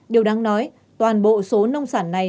điều đáng nói toàn bộ số nông sản này